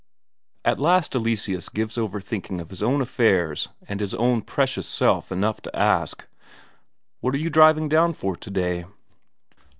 At last Eleseus gives over thinking of his own affairs and his own precious self enough to ask: "What you driving down for today?"